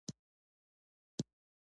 فلسفي پوښتنې او رواني پیچلتیاوې رانغاړي.